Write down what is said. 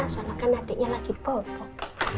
soalnya kan adiknya lagi bobok